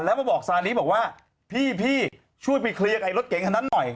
แล้วมาบอกซานิบอกว่าพี่ช่วยไปเคลียร์กับรถเก๋งคันนั้นหน่อย